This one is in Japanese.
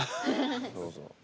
どうぞ。